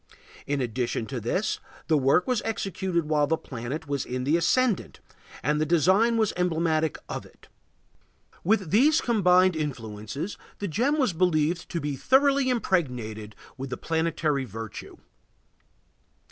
In addition to this, the work was executed while the planet was in the ascendant, and the design was emblematic of it. With these combined influences the gem was believed to be thoroughly impregnated with the planetary virtue.